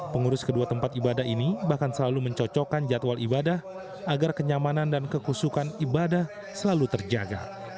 pengurus kedua tempat ibadah ini bahkan selalu mencocokkan jadwal ibadah agar kenyamanan dan kekusukan ibadah selalu terjaga